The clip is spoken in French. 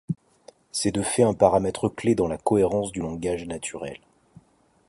C'est de fait un paramètre clef dans la cohérence du langage naturel.